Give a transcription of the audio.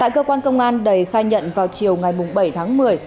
cơ quan công an đầy khai nhận vào chiều bảy tháng một mươi